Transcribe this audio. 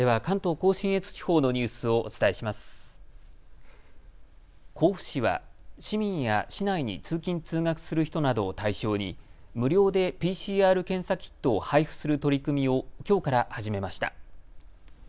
甲府市は市民や市内に通勤通学する人などを対象に無料でＰＣＲ検査キットを配付する取り組みをきょうから始めました。